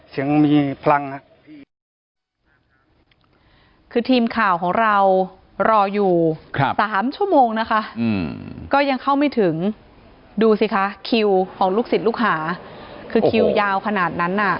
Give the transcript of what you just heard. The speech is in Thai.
เสียงมีพลังคือทีมข่าวของเรารออยู่ครับ๓ชั่วโมงนะคะก็ยังเข้าไม่ถึงดูสิคะคิวของลูกศิษย์ลูกหาคือคิวยาวขนาดนั้นน่ะ